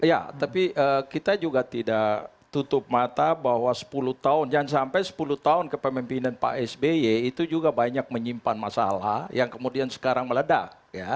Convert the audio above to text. ya tapi kita juga tidak tutup mata bahwa sepuluh tahun jangan sampai sepuluh tahun kepemimpinan pak sby itu juga banyak menyimpan masalah yang kemudian sekarang meledak